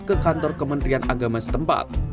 ke kantor kementerian agama setempat